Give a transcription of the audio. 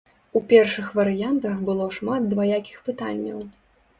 У першых варыянтах было шмат дваякіх пытанняў.